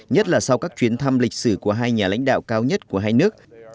nhất là sau các chuyến thăm lịch sử của hai nhà lãnh đạo cao nhất của hai nước